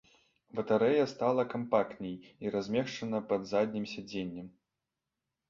Батарэя стала кампактней і размешчаная пад заднім сядзеннем.